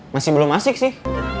masih belum asik sih